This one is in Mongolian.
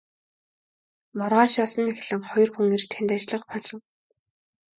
Маргаашаас нь эхлэн хоёр хүн ирж тэнд ажиллах болов.